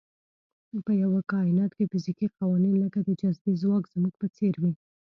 په یوه کاینات کې فزیکي قوانین لکه د جاذبې ځواک زموږ په څېر وي.